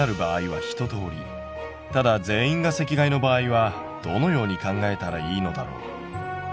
ただ全員が席替えの場合はどのように考えたらいいのだろう。